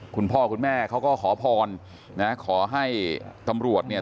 คุณพ่อคุณแม่เขาก็ขอพรนะขอให้ตำรวจเนี่ย